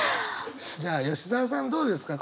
じゃあ吉澤さんどうですか？